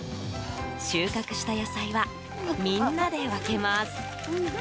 収穫した野菜はみんなで分けます。